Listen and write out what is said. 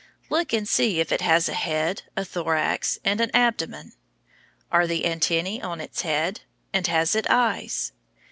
Look and see if it has a head, a thorax, and an abdomen. Are there antennæ on its head? And has it eyes?